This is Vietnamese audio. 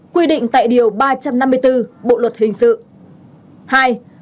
quy định tại điều ba trăm năm mươi bốn bộ luật hình sự